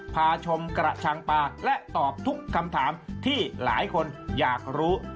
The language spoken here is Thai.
พาชมกระชังปลาและตอบทุกคำถามที่หลายคนอยากรู้